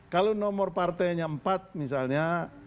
kalau nomor partainya empat misalnya